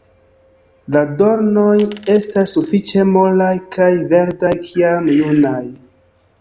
La dornoj estas sufiĉe molaj kaj verdaj kiam junaj.